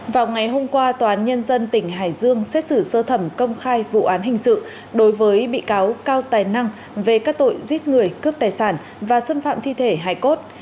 vào ngày hôm qua tòa án nhân dân tỉnh hải dương xét xử sơ thẩm công khai vụ án hình sự đối với bị cáo cao tài năng về các tội giết người cướp tài sản và xâm phạm thi thể hải cốt